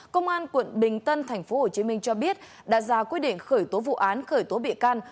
công an quận bình tân tp hcm cho biết đã ra quyết định khởi tố vụ án khởi tố bị can